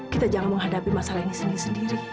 kita jangan menghadapi masalah ini sendiri sendiri